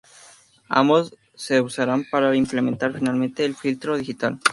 Ambos se usaran para implementar finalmente el filtro digital.